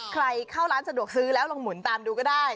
เข้าร้านสะดวกซื้อแล้วลองหมุนตามดูก็ได้